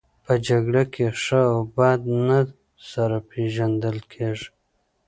په جګړه کې ښه او بد نه سره پېژندل کیږي